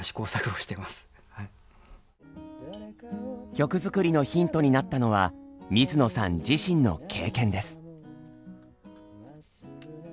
曲作りのヒントになったのは水野さん自身の経験です。